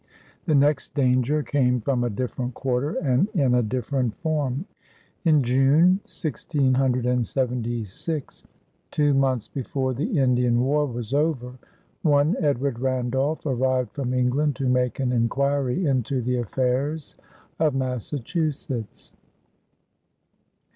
The next danger came from a different quarter and in a different form. In June, 1676, two months before the Indian War was over, one Edward Randolph arrived from England to make an inquiry into the affairs of Massachusetts.